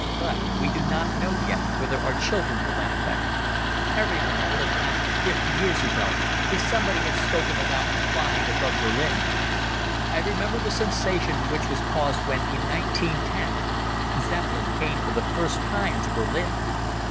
But we do not know yet whether our children will laugh at it. Everyone would have laughed fifty years ago if somebody had spoken about flying above Berlin. I remember the sensation which was caused, when, in 1910, Zeppelin came for the first time to Berlin.